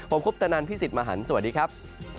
ผมคุปตะนันพี่สิทธิ์มหันฯสวัสดีครับ